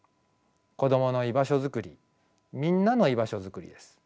子供の居場所づくりみんなの居場所づくりです。